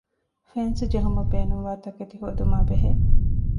ފެންސް ޖެހުމަށް ބޭނުންވާ ތަކެތި ހޯދުމާބެހޭ